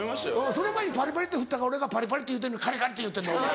その前にパリパリってふったから俺がパリパリって言うてんのにカリカリって言ってんだお前。